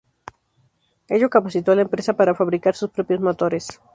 Ello capacitó a la empresa para fabricar sus propios motores.